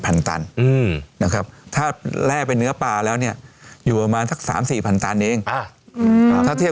เท่านั้นเนี่ยผมเชื่อว่าปลากระพงยักษ์ของเราเนี่ย